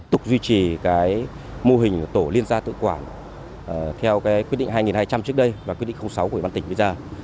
tục duy trì mô hình tổ liên gia tự quản theo quyết định hai nghìn hai trăm linh trước đây và quyết định sáu của bản tỉnh bây giờ